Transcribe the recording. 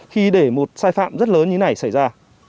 khi để một sai phạm rất lớn như này xảy ra